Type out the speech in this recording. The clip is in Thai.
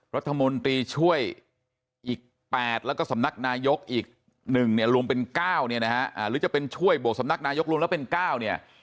รัฐมนตรีช่วยอีก๘แล้วก็สำนักนายกอีก๑เนี่ยรวมเป็น๙เนี่ยนะฮะหรือจะเป็นช่วยบวกสำนักนายกรวมแล้วเป็น๙เนี่ย